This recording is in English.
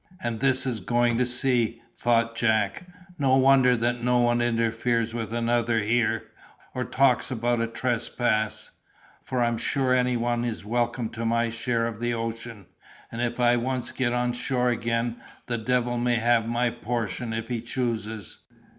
"And this is going to sea," thought Jack; "no wonder that no one interferes with another here, or talks about a trespass; for I'm sure any one is welcome to my share of the ocean; and if I once get on shore again, the devil may have my portion if he chooses."